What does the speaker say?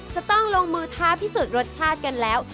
จะต้องลงมือท้าพิสูจน์รสชาติกันแล้ว